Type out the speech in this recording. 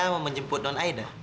saya mau menjemput don aida